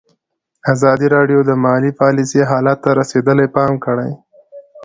ازادي راډیو د مالي پالیسي حالت ته رسېدلي پام کړی.